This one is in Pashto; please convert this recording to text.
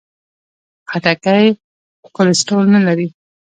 خټکی کولیسټرول نه لري.